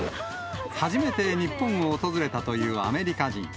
初めて日本を訪れたというアメリカ人。